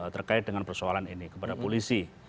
terkait dengan persoalan ini kepada polisi